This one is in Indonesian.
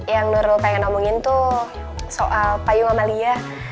yang nur pengen omongin tuh soal payung amalia